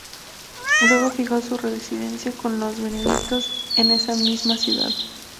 Luego fijó su residencia con los benedictinos en esa misma ciudad.